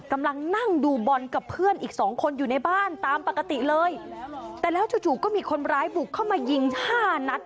กำลังนั่งดูบอลกับเพื่อนอีกสองคนอยู่ในบ้านตามปกติเลยแต่แล้วจู่จู่ก็มีคนร้ายบุกเข้ามายิงห้านัด